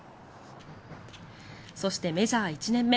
そして、メジャー１年目